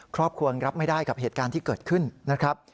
ครอบครัวรับไม่ได้กับเหตุการณ์ที่เกิดขึ้นนะครับ